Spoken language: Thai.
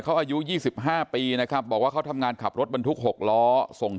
เขาอายุ๒๕ปีนะครับบอกว่าเขาทำงานขับรถบรรทุก๖ล้อส่ง